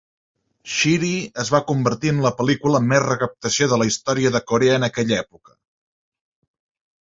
"Shiri" es va convertir en la pel·lícula amb més recaptació de la història de Corea en aquella època.